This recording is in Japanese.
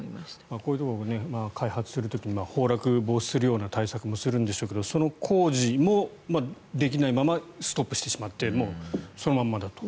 こういうところを開発する時に崩落を防止するような対策もするんでしょうけどその工事もできないままストップしてしまってもうそのままだと。